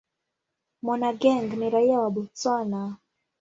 Monageng ni raia wa Botswana.